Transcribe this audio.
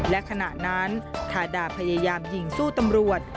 และขณะนั้นทาดาพยายามยิงสู้ตำรวจ